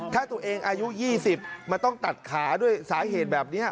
ถ้าตัวเองอายุ๒๐มันต้องตัดขาด้วยสาเหตุแบบนี้